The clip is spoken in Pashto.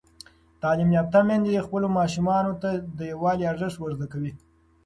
تعلیم یافته میندې خپلو ماشومانو ته د یووالي ارزښت ور زده کوي.